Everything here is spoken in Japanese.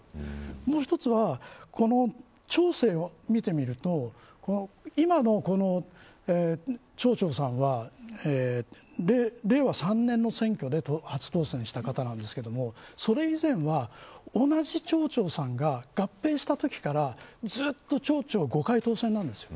もう一つは町政を見てみると今の町長さんは令和３年の選挙で初当選した方なんですけどそれ以前は、同じ町長さんが合併したときからずっと町長５回当選なんですよ。